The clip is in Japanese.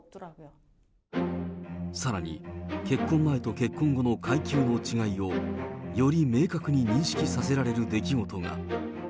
さらに、結婚前と結婚後の階級の違いをより明確に認識させられる出来事が。